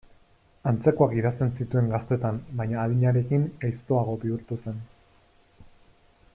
Antzekoak idazten zituen gaztetan baina adinarekin gaiztoago bihurtu zen.